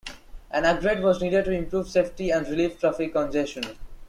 An upgrade was needed to improve safety and relieve traffic congestion.